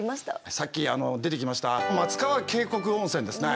さっきあの出てきました松川渓谷温泉ですね。